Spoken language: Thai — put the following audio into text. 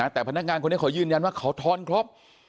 แต่พนักงานคนนี้เขายืนยันว่าเขาทอนครบ